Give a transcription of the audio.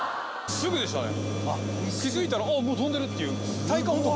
すぐでしたね。